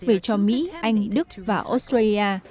về cho mỹ anh đức và australia